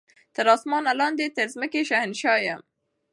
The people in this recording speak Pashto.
تر اسمان لاندي تر مځکي شهنشاه یم